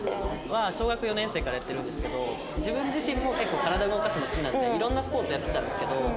は小学４年生からやってるんですけど自分自身も結構体動かすの好きなんでいろんなスポーツやってたんですけど。